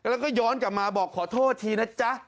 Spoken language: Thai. แล้วก็ย้อนกลับมาบอกขอโทษทีนะจ๊ะ